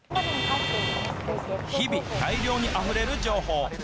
日々、大量にあふれる情報。